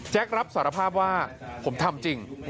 รับสารภาพว่าผมทำจริง